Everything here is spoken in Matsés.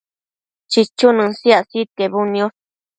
chichunën siac sidquebudniosh